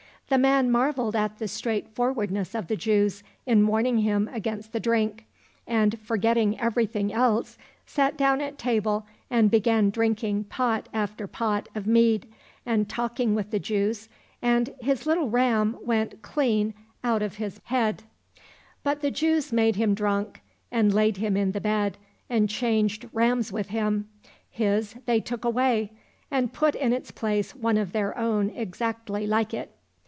— The man marvelled at the straight forwardness of the Jews in warning him against the drink, and, forgetting everything else, sat down at table and began drinking pot after pot of mead, and talking with the Jews, and his little ram went clean out of his 35 COSSACK FAIRY TALES head. But the Jews made him drunk, and laid him in the bed, and changed rams with him ; his they took away, and put in its place one of their own exactly like it.